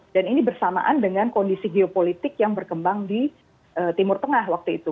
dan ini bersamaan dengan kondisi geopolitik yang berkembang di timur tengah waktu itu